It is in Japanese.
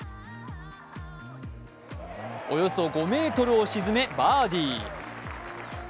およそ５ｍを沈めバーディー。